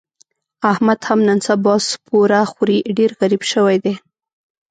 احمد هم نن سبا سپوره خوري، ډېر غریب شوی دی.